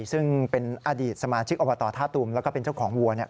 ซึ่งเป็นอดีตสมาชิกอบตท่าตุมแล้วก็เป็นเจ้าของวัวเนี่ย